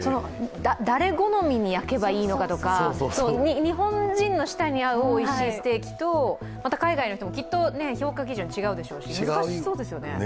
誰好みに焼けばいいのかとか、日本人の舌に合うおいしいステーキとまた海外の人もきっと評価基準が違うでしょうし。